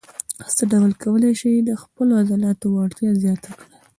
څه ډول کولای شئ د خپلو عضلاتو وړتیا زیاته کړئ.